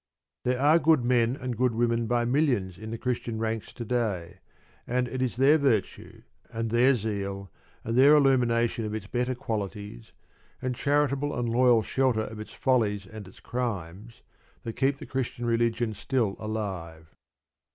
There are good men and good women by millions in the Christian ranks to day, and it is their virtue, and their zeal, and their illumination of its better qualities, and charitable and loyal shelter of its follies and its crimes, that keep the Christian religion still alive.